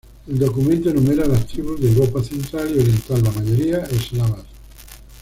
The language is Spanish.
El documento enumera las tribus de Europa central y oriental, la mayoría eslavas.